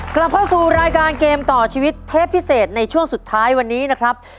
กลับเข้าสู่รายการเกมต่อชีวิตเทปพิเศษในช่วงสุดท้ายวันนี้นะครับ